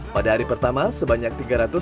pada hari pertama sebanyak